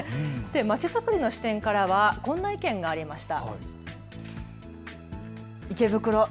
まちづくりの視点からはこんな意見がありました。